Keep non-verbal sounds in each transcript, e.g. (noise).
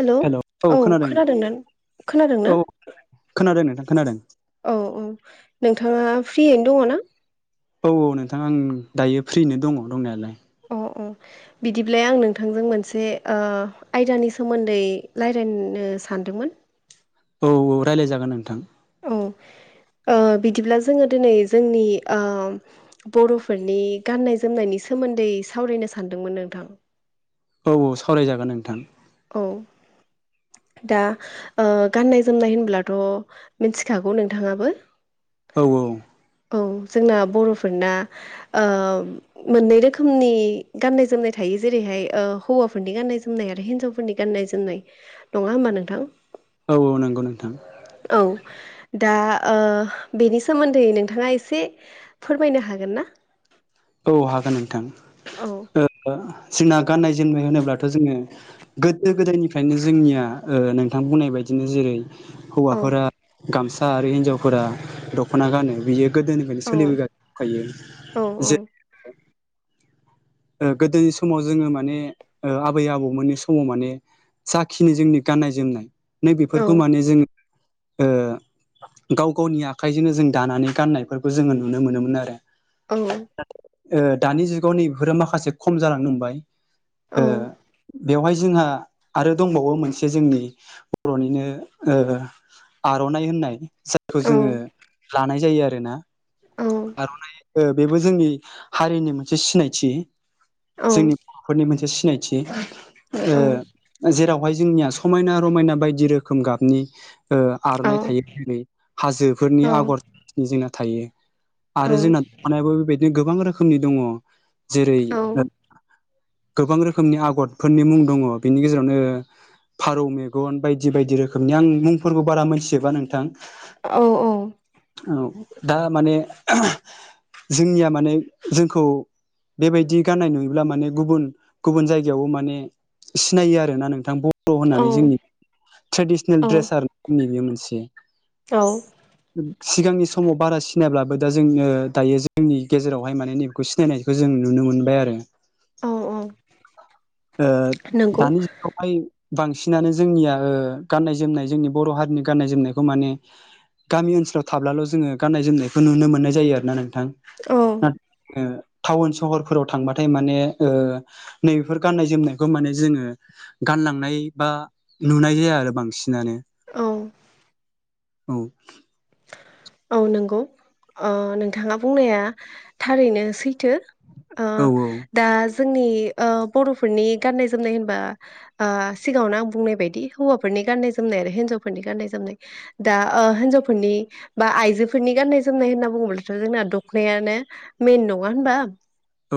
Hello औ खोनादों नों खोनादों ना? औ खोनादों नोंथां खोनादों औ-औ नोंथाङा फ्रियैनो दङ' ना? औ-औ नोंथां आं दायो फ्रिनो दङ' दंनायालाय। अ अ बिदिब्ला आं नोंथांजों मोनसे आ आयदानि सोमोनदै लायरायनो सानदोंमोन। औ-औ रायलाय जागोन नोंथां। औ (inaudible) ओ बिदिब्ला जोङो दिनै जोंनि आ बर'फोरनि गाननाय जोमनायनि सोमोन्दै सावरायनो सानदोंमोन नोंथां? औ-औ सावरायजागोन नोंथां। औ (inaudible) दा ओ गाननाय-जोमनाय होनब्लाथ' मिनथिखागौ नोंथाङाबो? औ औ। औ जोंना बर'फोरना ओ मोननै रोखोमनि गाननाय- जोमनाय थायो। जेरैहाय ओ हौवफोरनि गाननाय-जोमनाय आरो हिनजावफोरनि गाननाय-जोमनाय नङा होमबा नोंथां? औ औ नंगौ नों औ दा ओ बेनि सोमोन्दै नोंथाङा एसे फोरमायनो हागोन ना औ हागोन नोंथां औ जोंना गाननाय जोमनाय होनोब्लाथ' जोङो गोदो गोदायनिफ्रायनो जोंनिया नोंथां बुंनाय बायदि बिदिनो जेरै औ हौवाफोरा गामसा आरो हिनजावफोरा दख'ना गानो बियो गोदोनिफ्रायनो औ सोलिबोगासिनो थायो औ जेरै गोदोनि समाव जोङो माने आबै आबौमोननि समाव माने साखिनि जोंनि गाननाय जोमनाय नै औ बेफोरखौ माने जोङो गाव गावनि आखाइजोंनो जों दानानै गाननायफोरखौ जोङो नुनो मोनोमोन आरो औ दानि जुगाव नैबफोर माखासे खम जालांनोबाय औ बेवहाय जोंहा आरो दंबावो मोनसे जोंनि बर'निनो आर'नाइ होननाय जायखौ औ जोङो लानाय जायो आरोना आर'नाइ बेबो जोंनि हारिनि मोनसे सिनायथि औ जोंनि बर'फोरनि मोनसे नायथि ओ जेराव बेहाय जोंनिया समायना रमायना बायदि रोखोम गाबनि आर'नाइ थायो जेरै हाजोफोरनि आगरनि जोंना थायो आरो जोंना दानायाबो बेबायदिनो गोबां रोखोमनि दङ जेरै गोबां रोखोमनि आगरफोरनि मुं दङ बिनि गेजेरावनो फारौ मेगन बायदि बायदि रोखोमनि आं मुंफोरखौ बारा मोनथिजोबा नोंथां औ दा माने जोंनिया माने जोंखौ बेबायदि गाननाय नुयोब्ला माने गुबुन गुबुन जायगायावबो माने सिनायो आरो ना नोंथां बर' होननानै जोंनि ट्रेडिसनेल ड्रेसआ जोंनि बे मोनसे औ सिगांनि समाव बारा सिनाय्लाबो दा जोङो दायो जोंनि गेजेरावहाय माने नैबेखौ सिनायनाय खौ जों नुनो मोनबाय आरो औ औ ओ नंगौ दानि जुगावहाय बांसिनानो जोंनिया गाननाय जोमनाय जोंनि बर' हारिनि गाननाय जोमनायखौ माने गामि ओनसोलाव थाब्लाल' जोङो गाननाय जोमनायखौ नुनो मोननाय जायो आरोना नों थां औ ओ टाउन सहफोराव थांबथाय माने ओ नै बेफोर गाननाय जोमनायखौ माने जोङो गानलांनाय बा नुनाय जाया आरो बांसिनानो औ औ औ नंगौ नोंथाङा बुंनाया थारैनो सैथो ओ औ दा जोंनि ओ बर'फोरनि गाननाय जनाय होनबा ओ सिगाङावनो आं बुंनाय बायदि हौफोरनि गाननाय जोमनाय ओरो हेन्जावफोरनि गाननाय जोमनाय दा ओ हेन्जावफोरनि फोरनि बा आइजोफोरनि गान्नाय जोमनाय होनना बुङोब्लाथ' जोंना दखनायानो मेन नङा होनबा औ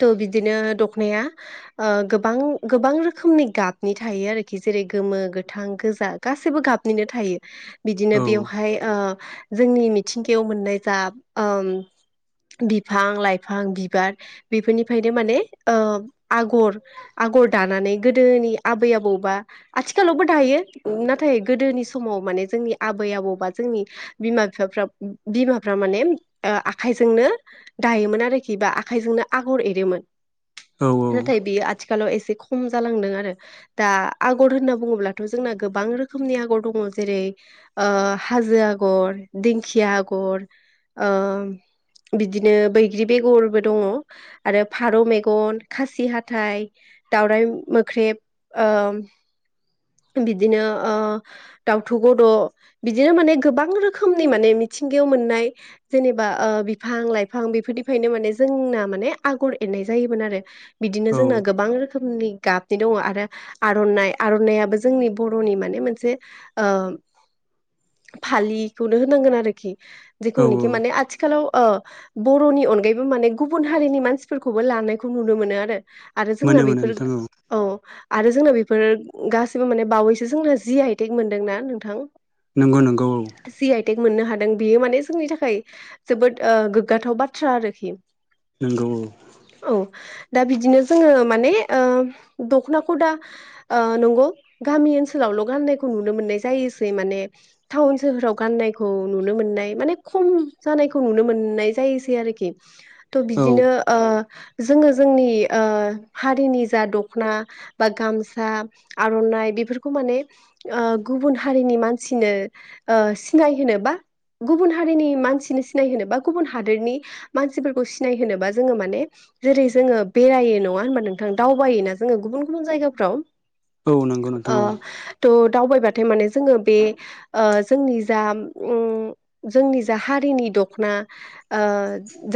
थ' बिदिनो नाया ओ गोबां गोबां रोखोमनि गाबनि थायो आरोखि जेरै गोमो गोथां गो गोजा गासैबो गाबनिनो थायो बिदिनो बेयाव औ ओ जोंनि मिथिंगायाव मोननाय जा ओम बिफां लाइफां बिबार बेफोरनिफ्रायनो माने ओ आगर आगर दानानै गोदोनि आबै आबौबा आथिखालावबो दायो नाथाय गोदोनि समाव माने जोंनि आबै आबौ जोंनि बिमा बिफा बिमाफ माने आखाइजोंनो दायोमोन आरो खिबा आखाइजोंनो आगर एरोमोन औ औ नाथाय बे आथिालाव एसे खम जालांदों आरो दा आगर होनना बुङोब्लाथ' जोंना गोबां रोखोमनि आगर दङ जेरै ओ हाजो आगर दिंखिया आगर ओ बिदिनो बैग्रि बेगरबो दं आरो फारौ मेगन खासि हाथाइ दाावरायाइ मोख्रेब ओ बिदिनो ओ दाउथु गद' बिदिनो माने गोबां रोखोमनि माने मिथिंगायाव मोननाय जेनेबा ओ बिफां लाइफां बेफोर निफ्रायनो माने जोंना माने आगर एरनाय जायोमोन आरो बिदिनो औ जोंना गोबां रोखोमनि गाब बिदि दं आरो आर'नाइ आर'नाइाबो जोंनि बर'नि माने मोनसे (unintelligible) फालिखौनो होनांगोन आरोखि औ जेखौनोखि माने आ थिखालाव बर'नि अनगायैबो माने गुबुन हारिनि मानसिफोरखौबो लानायखौ नुनो मोनो आरो आरो मोनो जोंना मोनो बेफोर नोंथां औ आरो जोंना बेफोर गासिबो माने बावैसो जोंना जि आइटेक मोनदोंना नोंथां नंगौ नंगौ दि मोननो हादों बियो माने जोंनि थाखाय जोबोद ओ गोग्गाथाव बाथ्रा आरोखि नंगौ औ दा बिदिनो जोङो माने ओ दख'नाखौ दा नंगौ गामि ओनसोलावल' गाननायखौ नुनो मोननाय जायोसै माने टाउन सोहोराव गाननायखौ नुनो मोननाय माने खम जानायखौ नुनो मोननाय जायोसै आरोखि थ' औ बिदिनो ओ जोङो जोंनि ओ हारिनि जा दख'ना बा गामसा आर' नाय बेफोरखौ माने ओ गुबुन हारिनि मानसिनो ओ सिनाय होनो बा गुबुन हारिनि मानसिनो सिनायहोनो बा गुबुन हादोरनि मानसिफोरखौ सिनाय होनोनोबा जोङो माने जेरै जोङो बेरायो नङा होनबा नोंथां दावबायायोना जोङो गुबुन गुबुन जायगाफ्राव औ नंगौ नोंथां ओ थ' दावबायबाथाय माने जोङो बे ओ जोंनि जा जोंनि जा हारिनि दख'ना ओ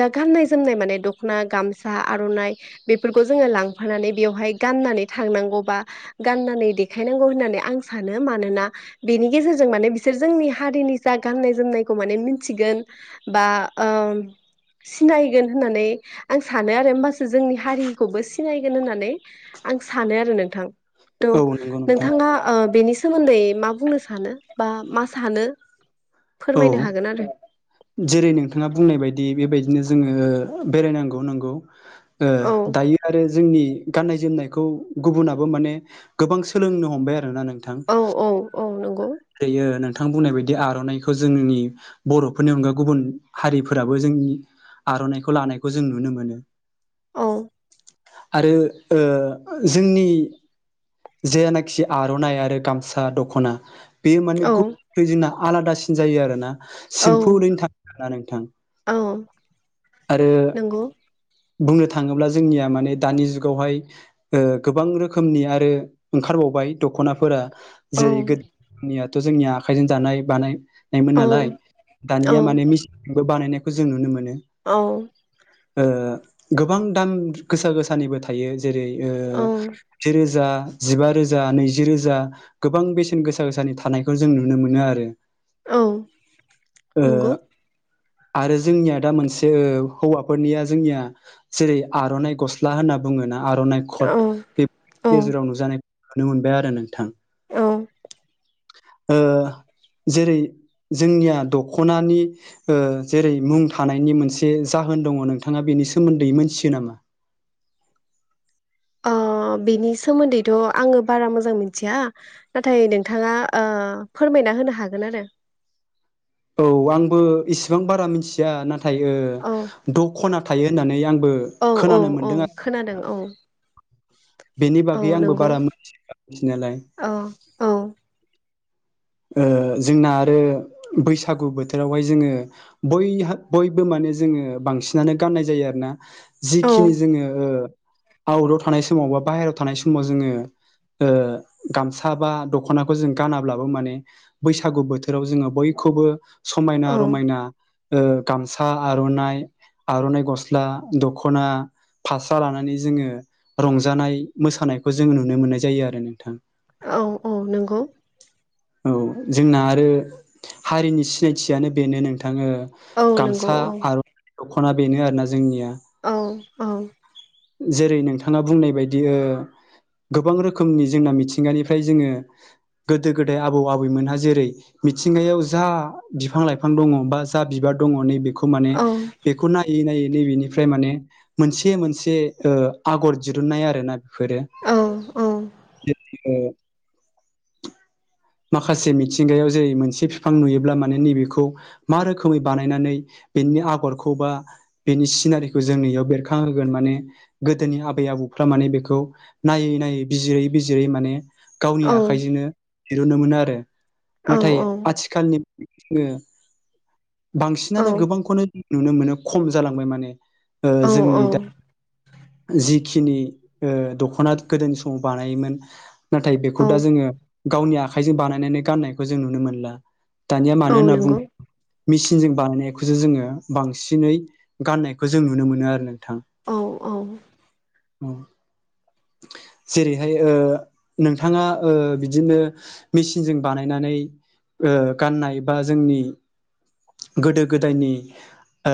दा गाननाय जोमनाय माने दख'ना गामसा आर'नाइ बेफोरखौ जोङो लांफानानै बेवहाय गाननानै थांगौ बा गानानै देखायनांगौ होननानै आं सानो मानोना बेनि गेजेरजों जों माने बिसोर जोंनि हारिनि जा गाननाय जोमनायखौ माने मिथिगोन बा ओ सिनायगोन होननानै आं सानो आरो होमबासो जोंनि हारिखौबो सिनायगोन होननानै आं सानो आरो नोंथां थ' औ नंगौ नोंथां नोंथाङा ओ बेनि सोमोन्दै मा बुंनो सानो बा मा सानो औ फोरमायनो हागोन आरो जेरै नोंथाङा बुंनाय बायदि बेबायदि बिदिनो जोङो बेरायनांगौ नांगौ ओ औ दायो आरो जोंनि गाननाय जोमनायखौ गुबुनाबो माने गोबां सोलोंनो हमबाय आरो ना नोंथां औ औ औ नंगौ जायो नों थां बुंनाय बायदि आर'नाइखौ जोंनि बर'फोरनि अनगा गुबुन हारिफोराबो जोंनि आर'नाइखौ लानायखौ जों नुनो मोनो औ आरो ओ जोंनि जेनाखि आर'नाइ आरो गामसा दख'ना बेयो माने औ गुबै जोंना आलादासिन जायो आरोना औ सिम्पोलैनो थाङो आरोना नोंथां औ आरो नंगौ बुंनो थाङोब्ला जोंनिया माने दानि जुगावहाय ओ गोबां रोखोमनि आरो ओंखारबावबाय बाय दख'नाफोरा औ जेरै गोदोनियाथ' जोंनिया आखाइजों दानाय बानाय नायमोन औ नालाय औ दानिया माने मिेसिनबो बानायनायखौ जों नुनो मोनो औ ओ गोबां दाम गोसा गोसानिबो थायो जेरै ओ औ जेरै जा जिबा रोजा नैजि रोजा गोबां बेसेन गोसा गोसानि थानायखौ जों नुनो मोनो आरो औ ओ नंगौ आरो जोंनिया दा मोनसे हौवाफोरनिया जोंनिया जेरै आर'नाइ गस्ला होनना बुङोना आर'नाइ औ कट बेफोरनि औ गेजेराव नुजानाय नुनो मोनबाय आरो नोंथां। औ। ओ जेरै जोंनिया दख'नानि ओ जेरै मुं थानायनि मोनसे जाहोन दङ नोंथाङा बे नि सोमोन्दै मोनथियो नामा? (inaudible) अ बिनि सोमोन्दैथ' आङो बारा मोजां मोनथिया नाथाय नोंथाङा ओ फोरमाय यना होनो हागोन आरो। औ आंबो इसिबां बारा मिथिया नाथाय ओ औ द'खना थायो होननानै आं आंबो औ औ खोनानो औ मोनदों खोनादों आरो। औ बेनि औ बागै आंबो नंगौ बारा मिथियासै नालाय। औ औ ओ जोंना आरो बैसागु बोथोरावहाय जोङो बहा-बयबो माने जोङो बांसिनानो गाननाय जायो आरोना औ जिखिनि जोङो ओ आउटाव थानाय समाव बा बाहेरायाव थानाय समाव जोङो ओ गामसा बा दख'नाखौ जों गानाब्लाबो माने बैसागु बोथोराव जोङो बयखौबो समायना औ रमायना ओ गामसा आर'नाइ आर'नाइ गस्ला दख'ना फास्रा लानानै जोङो रंजानाय मोसानायखौ जोङो नुनो मोननाय जायो आरो नोंथां। औ औ नंगौ। औ जोंना आरो हारिनि सिनायथियानो बेनो नोंथा ओ औ नंगौ गामसा औ आर'नाइ दख'ना बेनो आरोना जोंनिया । औ औ। जेरै नोंथाङा बुंनाय बायदि ओ गोबां रोखोमनि जोंना मिथिंगानिफ्राय जोङो गोदो गोदाय आबौ आबैमोनहा जेरै मिथिंगायाव जा बिफां लाइफां दङ बा जा बिबार दङ नैबे खौ माने औ बेखौ नायै नायै नैबेनिफ्राय माने मोनसे मोनसे से आगर दिरुननाय आरो ना बेफोरो। औ औ माखासे मिथिंगायाव जेरै मोनसे बिफां नुयोब्ला माने नैबेखौ मा रोखोमै बानायनानै बेनि आगरखौ बा बिनि सिनारिखौ जोंनियाव बेरखांहोगोन माने गोदोनि आबै आबौ उफ्रा माने बेखौ नायै नायै बिजिरै बिजिरै माने गावनि औ आखाइजोंनो दिरुनो मोन आरो औ नाथाय आथिखालनि जोङो बांसिनानो गोबांखौनो नुनो मोनो खम जालांबाय माने । ओ जोंनि दा औ जि खिनि ओ दख'ना गोदोनि समाव बानायोमोन नाथाय बेखौ औ दा जोङो । गावनि आखाइजों बानायनानै गाननायखौ जों नुनो मोनला दानिया मानो औ होनना बुङ नंगौ मेसिनजों बानायनायखौसो जोङो बांसिनै गाननायखौ जों नुनो मोनो आरो । औ औ अ जेरैहाय ओ नोंथाङा ओ बि बिदिनो मेचिनजों बानायनानै ओ गाननाय बा जोंनि गोदो गोदायनि ओ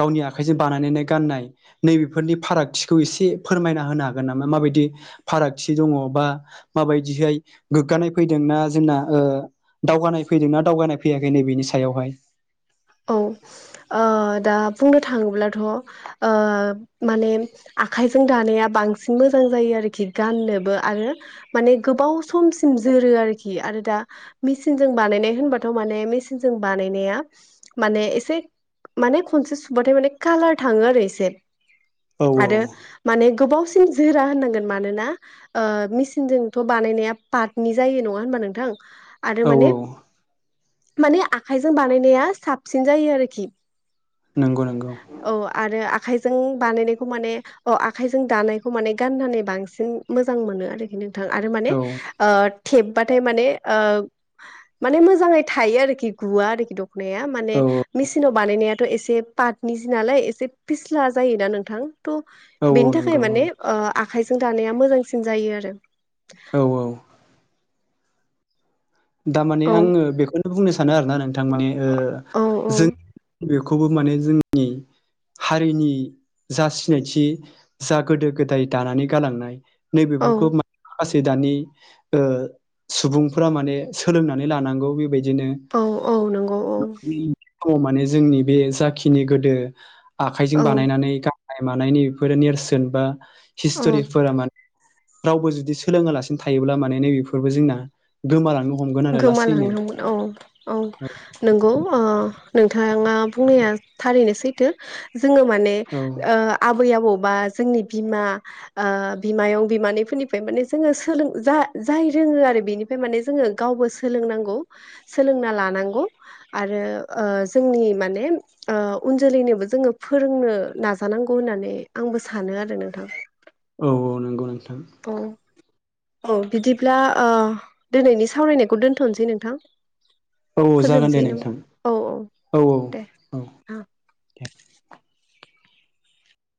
गावनि आखाइजों बानायनाय गाननाय नैबेफोरनि फारागथिखौ एसे फोरमायना होनो हागोन नामा माबायदि? दि फारागथि दङ बा माबायदिहाय गोग्गानाय फैदोंना जोंना ओ दावगानाय फैदोंना दावगानाय फैयाखै नैबेनि सायावहाय? औ। ओ दा बुंनो थाङोब्लाथ' ओ माने आखाइजों दानाया बांसिन मोजां जायो आरोखि गाननोबो आरो माने गोबाव समसिम जोरो आरो। आरोखि आरो दा मेचिनजों बानायनाय होनबाथ' माने मेचिनजों बानायनाया माने एसे माने खनसे सुबाथाय माने कालार थाङो आरो एसे। औ औ आरो माने गोबाव सिम जोरा होननांगोन मानोना मेसिनजोंथ' बानायनाया पाटनि जायो नङा होनबा नोंथां? आरो औ माने माने आखाइजों बानायनाया साफ सिन जायो आरोखि नंगौ नंगौ औ आरो आखाय जों बानायनायखौ माने अ आखाइजों दानायखौ माने गाननानै बांसिन मोजां मोनो आरोखि । आरो माने औ ओ थेब बाथाय माने ओ माने मोजाङै थायो आरोखि गुवा आरोखि दखनाया माने औ मेसिनाव बानायनायाथ' एसे पाटनि जि नालाय एसे फिस्ला जायोना नोंथां थ औ औ बेनि थाखाय नंगौ माने ओ आखाइजों दानाया मोजांसिन जायो आरो औ दामाने औ आङो बेखौनो बुंनो सानो आरोना नोंथां माने औ औ जों बेखौबो माने जोंनि हारिनि जा सिनायथि जा गोदो गोदाय दानानै गालांनाय औ नैबेफोरखौ मा मासै दानि ओ सुबुंफ्रा माने सोलोंनानै लानांगौ बेबायदि औ औ नंगौ औ अ माने जोंनि बे जाखिनि गोदो आखाइजों औ बानायनानै गा नाय मानायनि बेफोरो नेरसोन बा औ हिस्ट'रिफोरा माने रावबो जुदि सोलोङालासिनो थायोब्ला माने नैबेफोरबो जोंना गोमालांनो ह गोमालांगोमोन हमगोन औ औ नंगौ ओ नोंथाङा बुंनाया थारैनो सैथो जोङो माने औ ओ आबै आबौ बा जोंनि बिमा ओ बिमायं बिमानैफोरनिफ्रय माने जोङो सोलो जा जारो जोङो आरो बेनिफ्राय माने जोङो गावबो सोलोंनांगौ सोलोंना लानांगौ आरो ओ जोंनि माने ओ उन जोलैनोबो जोङो फोरोंनो नाजानांगौ होननानै आंबो सानो आरो नोंथां औ औ नंगौ नोंथां औ औ बिदिब्ला ओ दिनैनि सावरायनायखौ दोनथ'नोसै नोंथां औ औ जागोन दे फोजोबसै नों नोंथां औ औ दे औ दे ओम